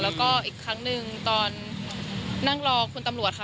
แล้วก็อีกครั้งหนึ่งตอนนั่งรอคุณตำรวจค่ะ